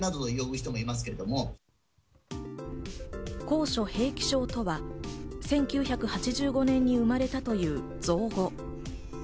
高所平気症とは１９８５年に生まれたという造語。